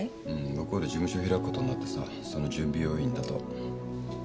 向こうで事務所開くことになってさその準備要員だと。